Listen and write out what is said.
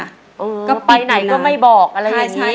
เออก็ไปไหนก็ไม่บอกอะไรอย่างนี้